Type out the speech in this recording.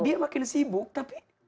dia makin sibuk tapi